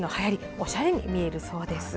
おしゃれに見えるそうです。